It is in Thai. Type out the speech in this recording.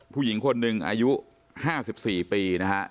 ผู้หญิงคนหนึ่งอายุ๕๔ปีนะฮะ